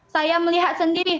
saya melihat sendiri